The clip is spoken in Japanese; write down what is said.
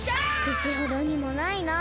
くちほどにもないなあ。